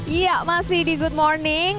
iya masih di good morning